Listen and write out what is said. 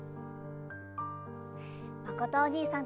まことおにいさんとすごした